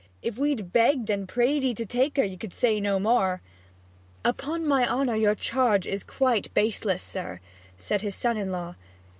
If we'd begged and prayed 'ee to take her, you could say no more.' 'Upon my honour, your charge is quite baseless, sir,' said his son in law.